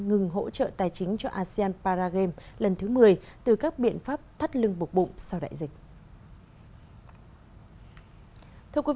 ngừng hỗ trợ tài chính cho asean paragame lần thứ một mươi từ các biện pháp thắt lưng bột bụng sau đại dịch